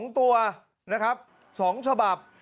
๒ตัวนะครับ๒ฉบับ